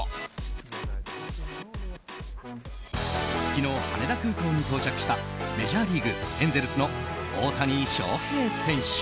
昨日、羽田空港に到着したメジャーリーグエンゼルスの大谷翔平選手。